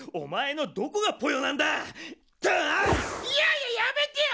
いやややめてよ！